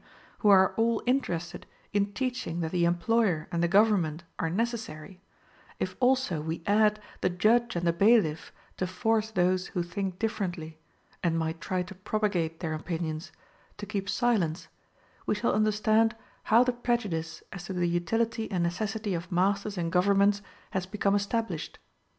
who are all interested in teaching that the employer and the government are necessary; if also we add the judge and the bailiff to force those who think differently and might try to propagate their opinions to keep silence, we shall understand how the prejudice as to the utility and necessity of masters and governments has become established.